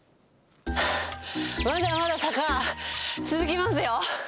まだまだ坂、続きますよ。